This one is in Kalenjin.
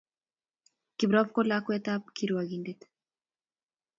kiprop ko lakwet ab kirwakindet